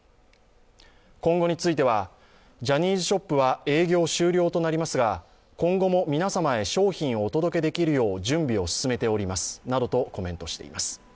今後についてはジャニーズショップは営業終了となりますが、今後も皆様へ商品をお届けできるよう準備を進めておりますなどとコメントを出しています。